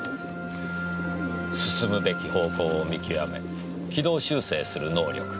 進むべき方向を見極め軌道修正する能力。